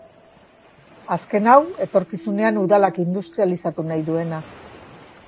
Azken hau, etorkizunean udalak industrializatu nahi duena.